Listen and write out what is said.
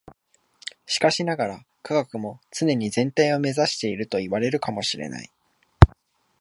しかしながら、科学も常に全体を目指しているといわれるかも知れない。